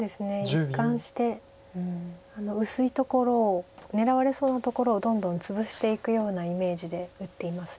一貫して薄いところを狙われそうなところをどんどん潰していくようなイメージで打っています。